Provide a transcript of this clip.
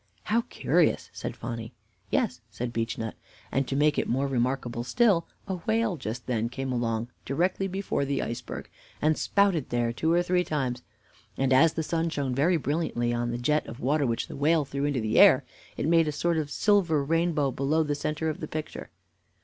"How curious!" said Phonny. "Yes," said Beechnut, "and to make it more remarkable still, a whale just then came along directly before the iceberg, and spouted there two or three times; and as the sun shone very brilliantly upon the jet of water which the whale threw into the air, it made a sort of silver rainbow below in the center of the picture."